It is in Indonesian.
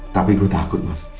tapi gue takut mas